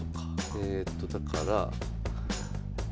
えとだから。